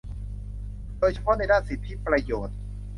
โดยเฉพาะในด้านสิทธิประโยชน์